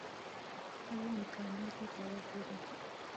خپلو امکاناتو ته وګورئ.